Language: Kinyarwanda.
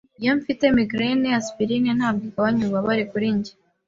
Iyo mfite migraine, aspirine ntabwo igabanya ububabare kuri njye.